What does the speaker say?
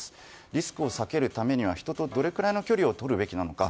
リスクを避けるためには人とどれくらいの距離をとるべきなのか。